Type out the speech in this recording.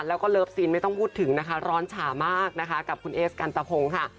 แล้วก็เลิฟซีนไม่ต้องพูดถึงนะคะร้อนฉามากนะคะกับคุณเอสกันตะพงค่ะ